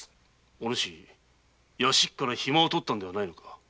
お主屋敷から暇を取ったのではないのか？